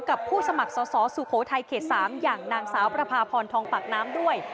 ผู้สมัครสอสอสุโขทัยเขต๓อย่างนางสาวประพาพรทองปากน้ำด้วย